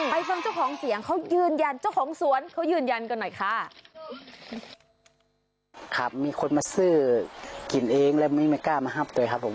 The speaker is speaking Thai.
ไปฟังเจ้าของเสียงเขายืนยันเจ้าของสวนเขายืนยันกันหน่อยค่ะครับมีคนมาซื้อกินเองแล้วไม่ไม่กล้ามาหับเลยครับผม